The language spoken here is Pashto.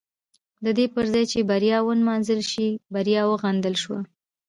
د دې پر ځای چې بریا ونمانځل شي بریا وغندل شوه.